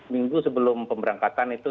minggu sebelum pemberangkatan itu